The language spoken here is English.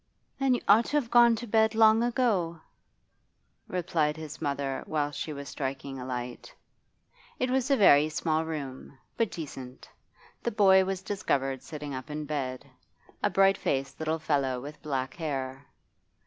'Then you ought to have gone to bed long ago,' replied his mother whilst she was striking a light. It was a very small room, but decent. The boy was discovered sitting up in bed a bright faced little fellow with black hair.